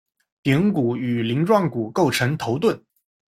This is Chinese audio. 顶骨与鳞状骨构成头盾。